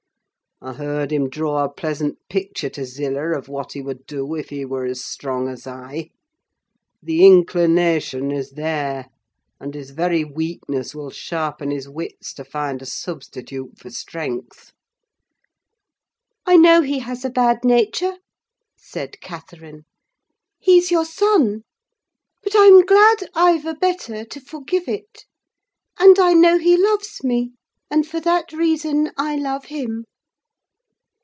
I heard him draw a pleasant picture to Zillah of what he would do if he were as strong as I: the inclination is there, and his very weakness will sharpen his wits to find a substitute for strength." "I know he has a bad nature," said Catherine: "he's your son. But I'm glad I've a better, to forgive it; and I know he loves me, and for that reason I love him.